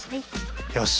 よし！